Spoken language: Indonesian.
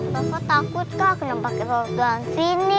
rafa takut kak kenapa kita belanjaan sini